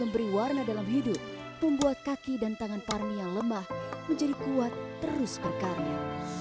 memberi warna dalam hidup membuat kaki dan tangan parmi yang lemah menjadi kuat terus berkarya